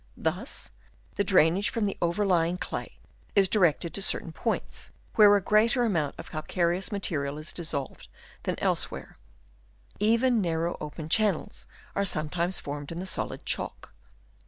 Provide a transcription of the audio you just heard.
Thus the drainage from the overlying clay is directed to certain points, where a greater amount of cal careous matter is dissolved than elsewhere. Even narrow open channels are sometimes formed in the solid chalk.